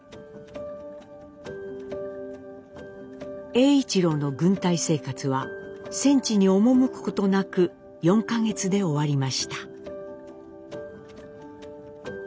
栄一郎の軍隊生活は戦地に赴くことなく４か月で終わりました。